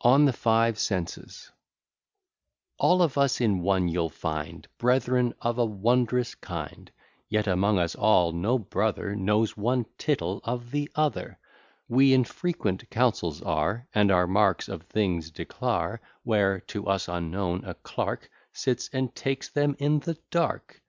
ON THE FIVE SENSES All of us in one you'll find, Brethren of a wondrous kind; Yet among us all no brother Knows one tittle of the other; We in frequent councils are, And our marks of things declare, Where, to us unknown, a clerk Sits, and takes them in the dark.